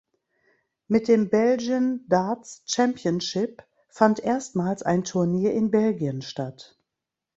Mit dem Belgian Darts Championship fand erstmals ein Turnier in Belgien statt.